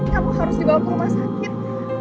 kamu harus dibawa ke rumah sakit